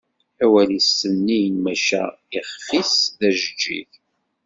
Awal-is sennin maca ixf-is d ajeǧǧig.